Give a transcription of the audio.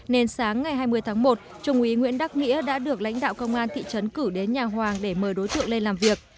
nên sáng ngày hai mươi tháng một trung úy nguyễn đắc nghĩa đã được lãnh đạo công an thị trấn cử đến nhà hoàng để mời đối tượng lê làm việc